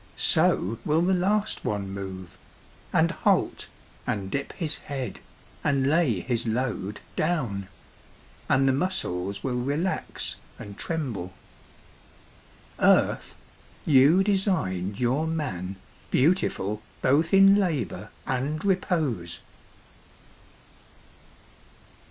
So will the last one move, And halt, and dip his head, and lay his load Down, and the muscles will relax and tremble. .. Earth, you designed your man Beautiful both in labour, and repose.